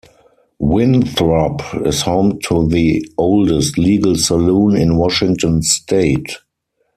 Winthrop is home to the oldest legal saloon in Washington state.